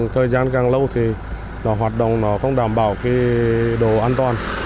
thời gian càng lâu thì hoạt động nó không đảm bảo đồ an toàn